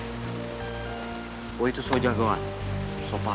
kemana aja dia ikut campur urusan gue sama orang yang gue dapetin